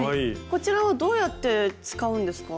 こちらはどうやって使うんですか？